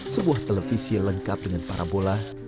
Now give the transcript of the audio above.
sebuah televisi lengkap dengan parah parah